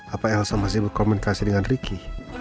apa elsa masih berkomunikasi dengan ricky